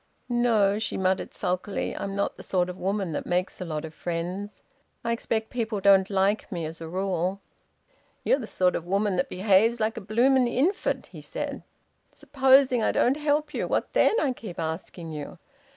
"No," she muttered sulkily. "I'm not the sort of woman that makes a lot of friends. I expect people don't like me, as a rule." "You're the sort of woman that behaves like a blooming infant!" he said. "Supposing I don't help you? What then, I keep asking you?